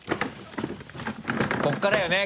ここからよね